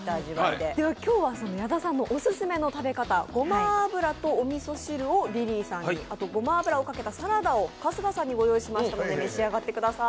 今日は矢田さんのオススメの食べ方、ごま油とおみそ汁をリリーさんにごま油をかけたサラダを春日さんにご用意しましたので召し上がってみてください。